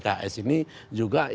juga akan menunjukkan